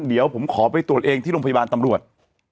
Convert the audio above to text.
เดี๋ยวผมขอไปตรวจเองที่โรงพยาบาลตำรวจ